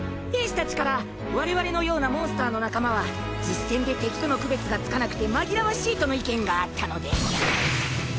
兵士たちから我々のようなモンスターの仲間は実戦で敵との区別がつかなくて紛らわしいとの意見があったので。